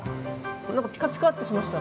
何かピカピカッてしました。